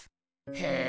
へえ。